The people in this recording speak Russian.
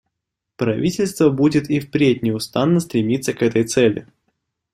Правительство будет и впредь неустанно стремиться к этой цели.